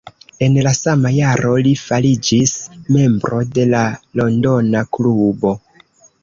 En la sama jaro li fariĝis membro de la londona klubo.